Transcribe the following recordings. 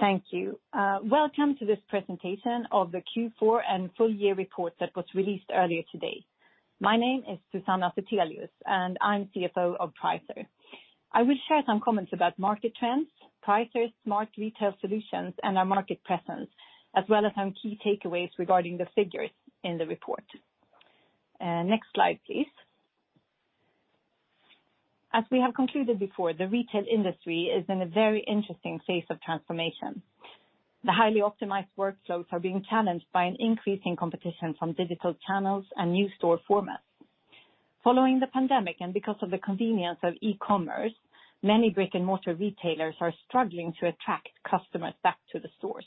Thank you. Welcome to this presentation of the Q4 and full year report that was released earlier today. My name is Susanna Zethelius, and I'm CFO of Pricer. I will share some comments about market trends, Pricer's smart retail solutions and our market presence, as well as some key takeaways regarding the figures in the report. Next slide, please. As we have concluded before, the retail industry is in a very interesting phase of transformation. The highly optimized workflows are being challenged by an increasing competition from digital channels and new store formats. Following the pandemic, and because of the convenience of e-commerce, many brick-and-mortar retailers are struggling to attract customers back to the stores.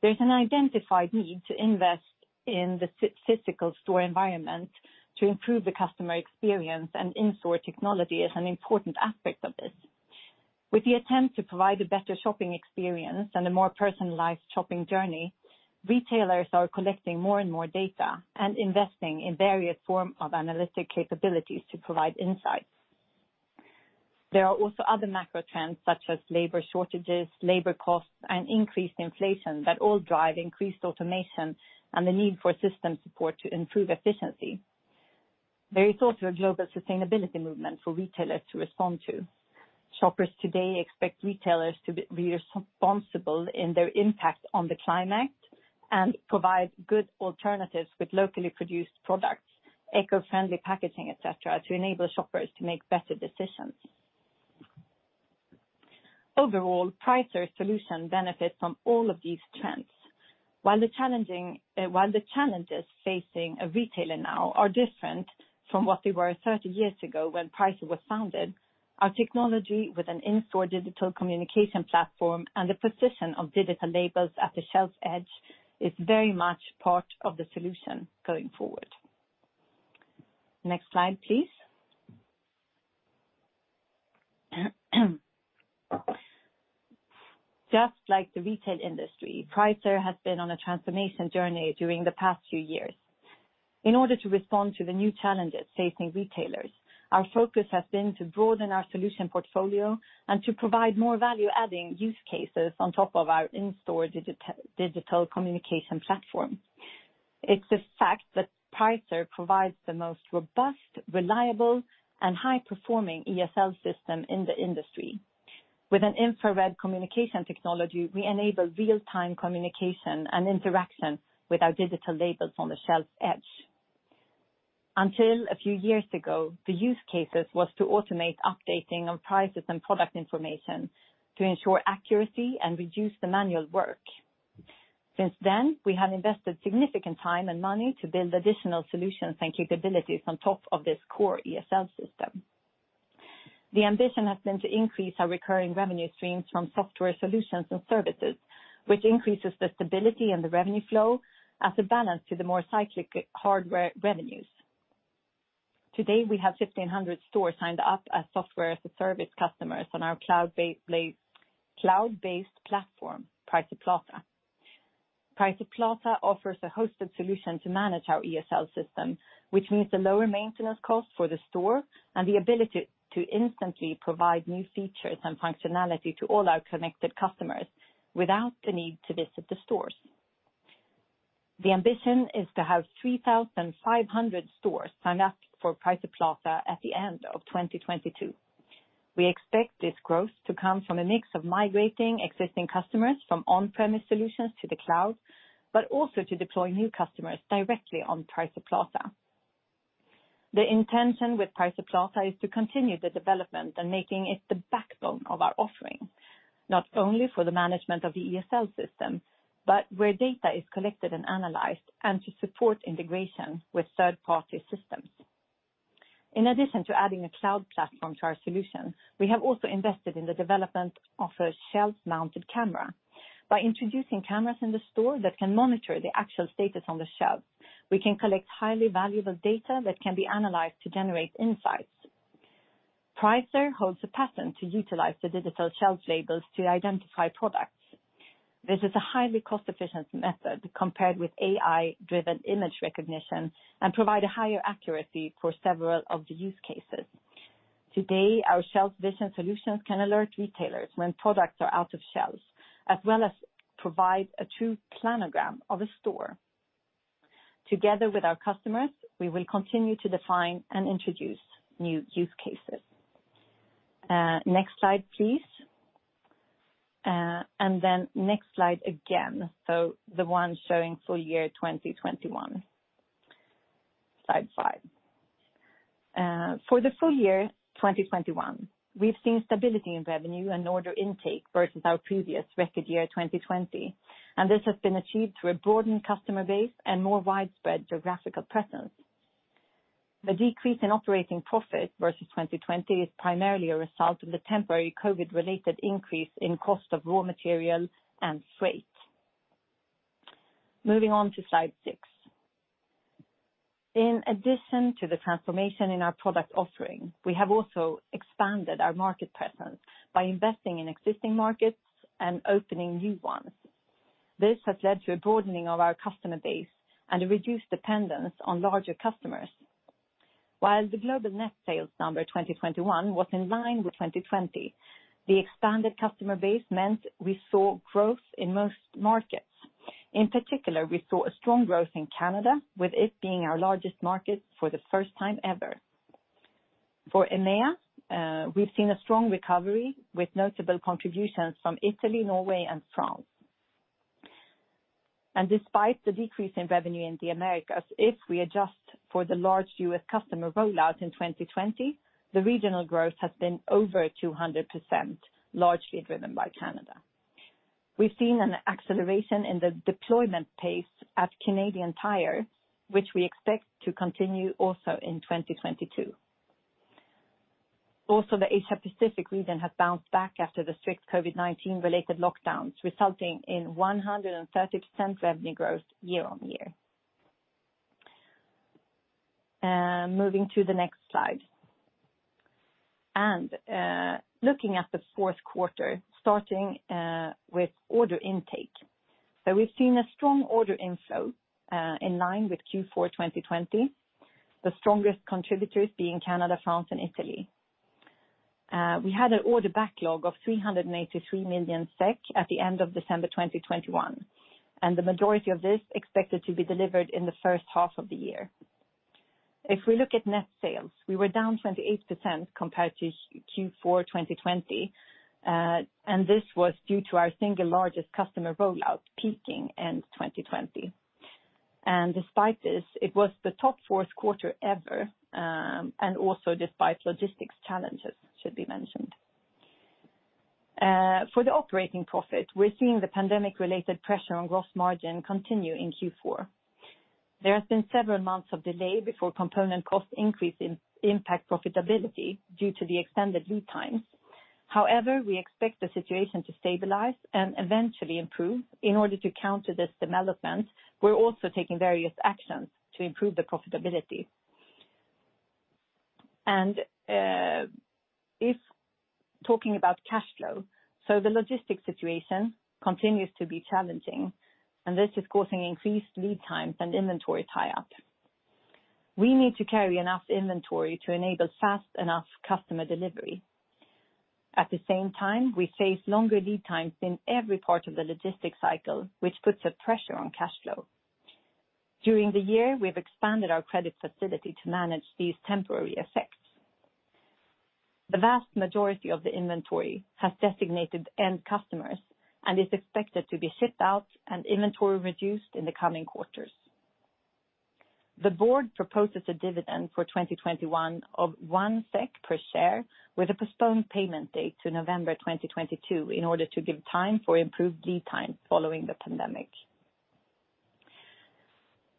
There's an identified need to invest in the phygital store environment to improve the customer experience, and in-store technology is an important aspect of this. With the attempt to provide a better shopping experience and a more personalized shopping journey, retailers are collecting more and more data and investing in various forms of analytic capabilities to provide insights. There are also other macro trends such as labor shortages, labor costs, and increased inflation that all drive increased automation and the need for system support to improve efficiency. There is also a global sustainability movement for retailers to respond to. Shoppers today expect retailers to be responsible in their impact on the climate and provide good alternatives with locally produced products, eco-friendly packaging, et cetera, to enable shoppers to make better decisions. Overall, Pricer solution benefits from all of these trends. While the challenges facing a retailer now are different from what they were 30 years ago when Pricer was founded, our technology with an in-store digital communication platform and the position of digital labels at the shelf edge is very much part of the solution going forward. Next slide, please. Just like the retail industry, Pricer has been on a transformation journey during the past few years. In order to respond to the new challenges facing retailers, our focus has been to broaden our solution portfolio and to provide more value-adding use cases on top of our in-store digital communication platform. It's a fact that Pricer provides the most robust, reliable, and high-performing ESL system in the industry. With an infrared communication technology, we enable real-time communication and interaction with our digital labels on the shelf edge. Until a few years ago, the use cases was to automate updating on prices and product information to ensure accuracy and reduce the manual work. Since then, we have invested significant time and money to build additional solutions and capabilities on top of this core ESL system. The ambition has been to increase our recurring revenue streams from software solutions and services, which increases the stability and the revenue flow as a balance to the more cyclic hardware revenues. Today, we have 1,500 stores signed up as software as a service customers on our cloud-based platform, Pricer Plaza. Pricer Plaza offers a hosted solution to manage our ESL system, which means the lower maintenance cost for the store and the ability to instantly provide new features and functionality to all our connected customers without the need to visit the stores. The ambition is to have 3,500 stores signed up for Pricer Plaza at the end of 2022. We expect this growth to come from a mix of migrating existing customers from on-premise solutions to the cloud, but also to deploy new customers directly on Pricer Plaza. The intention with Pricer Plaza is to continue the development and making it the backbone of our offering, not only for the management of the ESL system, but where data is collected and analyzed and to support integration with third-party systems. In addition to adding a cloud platform to our solution, we have also invested in the development of a shelf-mounted camera. By introducing cameras in the store that can monitor the actual status on the shelf, we can collect highly valuable data that can be analyzed to generate insights. Pricer holds a patent to utilize the digital shelf labels to identify products. This is a highly cost-efficient method compared with AI-driven image recognition and provide a higher accuracy for several of the use cases. Today, our Pricer ShelfVision solutions can alert retailers when products are out of shelves, as well as provide a true planogram of a store. Together with our customers, we will continue to define and introduce new use cases. Next slide, please. Then next slide again. The one showing full year 2021. Slide five. For the full year 2021, we've seen stability in revenue and order intake versus our previous record year, 2020, and this has been achieved through a broadened customer base and more widespread geographicalpresence. The decrease in operating profit versus 2020 is primarily a result of the temporary COVID-related increase in cost of raw material and freight. Moving on to slide 6. In addition to the transformation in our product offering, we have also expanded our market presence by investing in existing markets and opening new ones. This has led to a broadening of our customer base and a reduced dependence on larger customers. While the global net sales number 2021 was in line with 2020, the expanded customer base meant we saw growth in most markets. In particular, we saw a strong growth in Canada, with it being our largest market for the first time ever. For EMEA, we've seen a strong recovery with notable contributions from Italy, Norway, and France. Despite the decrease in revenue in the Americas, if we adjust for the large U.S. customer rollout in 2020, the regional growth has been over 200%, largely driven by Canada. We've seen an acceleration in the deployment pace at Canadian Tire, which we expect to continue also in 2022. Also, the Asia-Pacific region has bounced back after the strict COVID-19 related lockdowns, resulting in 130% revenue growth year-over-year. Moving to the next slide. Looking at the fourth quarter, starting with order intake. We've seen a strong order inflow in line with Q4 2020, the strongest contributors being Canada, France, and Italy. We had an order backlog of 383 million SEK at the end of December 2021, and the majority of this expected to be delivered in the first half of the year. If we look at net sales, we were down 28% compared to Q4 2020, and this was due to our single largest customer rollout peaking in 2020. Despite this, it was the top fourth quarter ever, and also despite logistics challenges should be mentioned. For the operating profit, we're seeing the pandemic-related pressure on gross margin continue in Q4. There has been several months of delay before component cost increases impact profitability due to the extended lead times. However, we expect the situation to stabilize and eventually improve. In order to counter this development, we're also taking various actions to improve the profitability. If talking about cash flow, the logistics situation continues to be challenging, and this is causing increased lead times and inventory tie-up. We need to carry enough inventory to enable fast enough customer delivery. At the same time, we face longer lead times in every part of the logistics cycle, which puts a pressure on cash flow. During the year, we've expanded our credit facility to manage these temporary effects. The vast majority of the inventory has designated end customers and is expected to be shipped out and inventory reduced in the coming quarters. The board proposes a dividend for 2021 of 1 SEK per share with a postponed payment date to November 2022 in order to give time for improved lead time following the pandemic.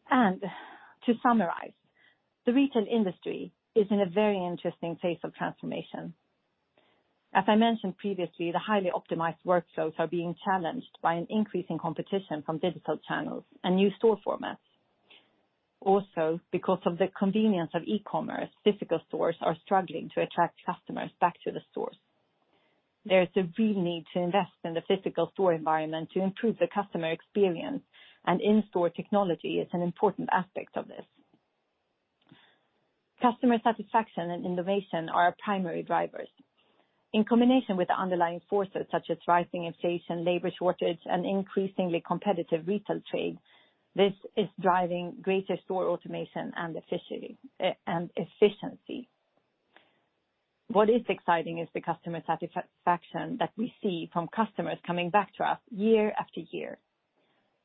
To summarize, the retail industry is in a very interesting phase of transformation. As I mentioned previously, the highly optimized workflows are being challenged by an increase in competition from digital channels and new store formats. Also, because of the convenience of e-commerce, physical stores are struggling to attract customers back to the stores. There is a real need to invest in the physical store environment to improve the customer experience, and in-store technology is an important aspect of this. Customer satisfaction and innovation are our primary drivers. In combination with the underlying forces such as rising inflation, labor shortage, and increasingly competitive retail trade, this is driving greater store automation and efficiency. What is exciting is the customer satisfaction that we see from customers coming back to us year after year.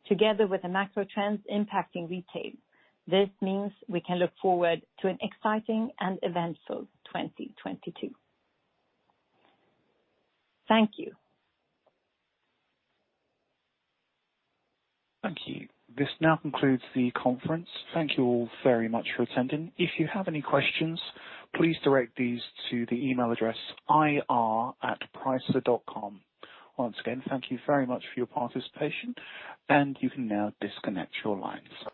Together with the macro trends impacting retail, this means we can look forward to an exciting and eventful 2022. Thank you. Thank you. This now concludes the conference. Thank you all very much for attending. If you have any questions, please direct these to the email address ir@pricer.com. Once again, thank you very much for your participation, and you can now disconnect your lines.